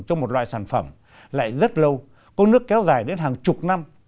cho một loại sản phẩm lại rất lâu có nước kéo dài đến hàng chục năm